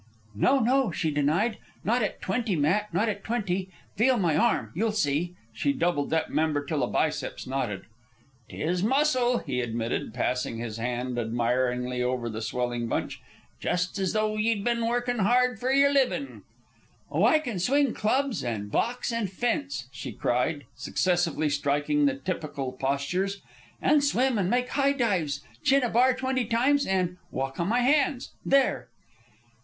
"No, no," she denied. "Not at twenty, Matt, not at twenty. Feel my arm, you'll see." She doubled that member till the biceps knotted. "'Tis muscle," he admitted, passing his hand admiringly over the swelling bunch; "just as though ye'd been workin' hard for yer livin'." "Oh, I can swing clubs, and box, and fence," she cried, successively striking the typical postures; "and swim, and make high dives, chin a bar twenty times, and and walk on my hands. There!"